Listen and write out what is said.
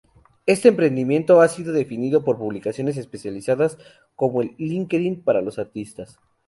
Este emprendimiento ha sido definido por publicaciones especializadas como ""el Linkedin para los artistas"".